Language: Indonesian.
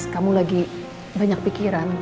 kamu lagi banyak pikiran